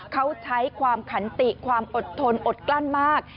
เขาใช้ความขันติความอดทนอดกลั้นมาก